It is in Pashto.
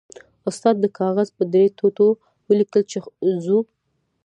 استاد د کاغذ په درې ټوټو ولیکل چې ځو.